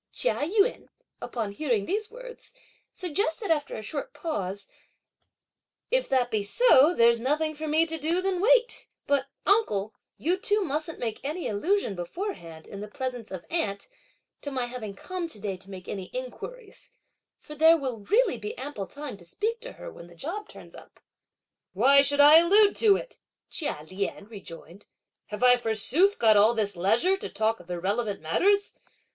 Chia Yün, upon hearing these words, suggested after a short pause; "If that be so, there's nothing for me to do than to wait; but, uncle, you too mustn't make any allusion beforehand in the presence of aunt to my having come to day to make any inquiries; for there will really be ample time to speak to her when the job turns up!" "Why should I allude to it?" Chia Lien rejoined. "Have I forsooth got all this leisure to talk of irrelevant matters!